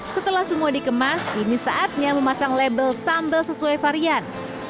setelah semua dikemas kini saatnya memasang label sambal sesuai varian